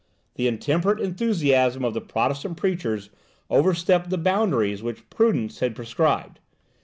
The intemperate enthusiasm of the Protestant preachers overstepped the boundaries which prudence had prescribed.